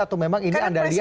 atau memang ini anda lihat